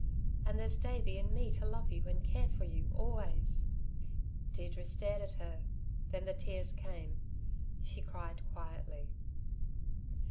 And there's Davey and me to love you and care for you, always." Deirdre stared at her; then the tears came; she cried quietly.